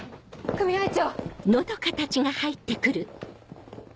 組合長！